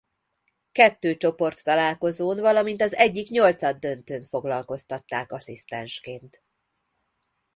Kettő csoporttalálkozón valamint az egyik nyolcaddöntőn foglalkoztatták asszisztensként.